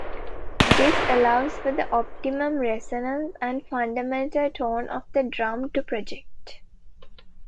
This allows for the optimum resonance and fundamental tone of the drum to project.